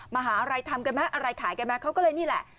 มหาลัยทำกันไหมอะไรขายกันไหมเขาก็เลยนี่แหละ